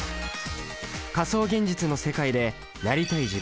仮想現実の世界で「なりたい自分」